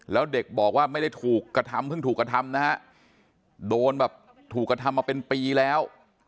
แล้วเด็กบอกว่าไม่ได้ถูกกระทำเพิ่งถูกกระทำนะฮะโดนแบบถูกกระทำมาเป็นปีแล้ว